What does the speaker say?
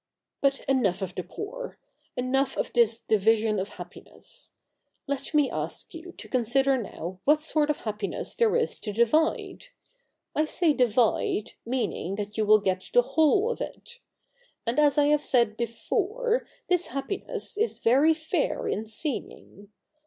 ' But enough of the poor : enough of this division of happiness. Let me ask you to consider now what sort of happiness there is to divide — I say divide, meaning that you will get the whole of it. And as I have said before, this happiness is very fair in seeming.